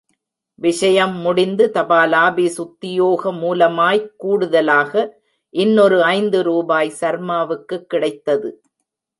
விஷயம் முடிந்து, தபாலாபீஸ் உத்தியோக மூலமாய்க் கூடுதலாக, இன்னொரு ஐந்து ரூபாய் சர்மாவுக்கு கிடைத்தது.